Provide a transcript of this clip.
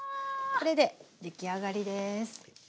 これで出来上がりです。